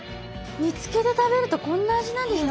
煮付けで食べるとこんな味なんですね。